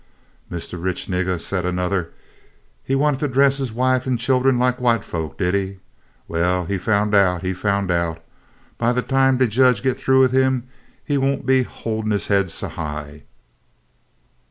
"Mistah Rich Niggah," said another. "He wanted to dress his wife an' chillen lak white folks, did he? Well, he foun' out, he foun' out. By de time de jedge git thoo wid him he won't be hol'in' his haid so high."